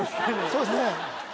そうですね